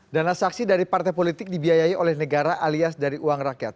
dana saksi dari partai politik dibiayai oleh negara alias dari uang rakyat